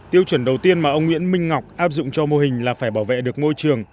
tiêu chuẩn đầu tiên mà ông nguyễn minh ngọc áp dụng cho mô hình là phải bảo vệ được môi trường